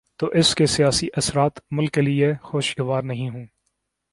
تو اس کے سیاسی اثرات ملک کے لیے خوشگوار نہیں ہوں۔